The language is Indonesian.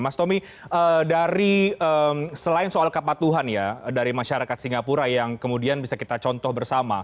mas tommy dari selain soal kepatuhan ya dari masyarakat singapura yang kemudian bisa kita contoh bersama